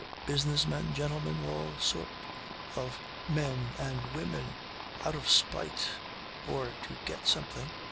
Business men, gentlemen, any sort of men and women out of spite, or to get something.